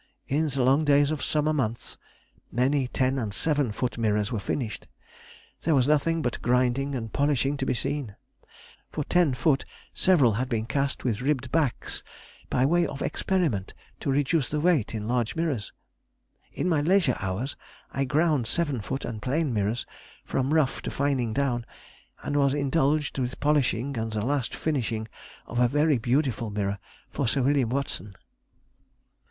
In the long days of the summer months many ten and seven foot mirrors were finished; there was nothing but grinding and polishing to be seen. For ten foot several had been cast with ribbed backs by way of experiment to reduce the weight in large mirrors. In my leisure hours I ground seven foot and plain mirrors from rough to fining down, and was indulged with polishing and the last finishing of a very beautiful mirror for Sir William Watson.